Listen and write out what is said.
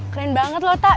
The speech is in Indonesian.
keren banget lo tak